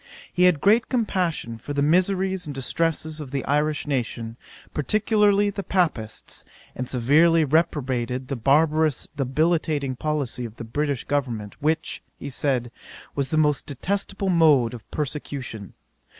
He had great compassion for the miseries and distresses of the Irish nation, particularly the Papists; and severely reprobated the barbarous debilitating policy of the British government, which, he said, was the most detestable mode of persecution.